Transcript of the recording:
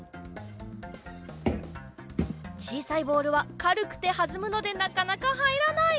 ちいさいボールはかるくてはずむのでなかなかはいらない！